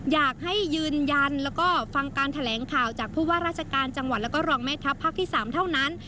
อยากให้ยืนยันแล้วก็ฟังการแถลงข่าวจากผู้ว่าราชการจังหวัดแล้วก็รองแม่ทัพภาคที่๓เท่านั้น